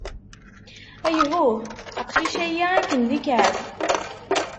Ayhuh!... aqcic-ayi akken d ikɛeb!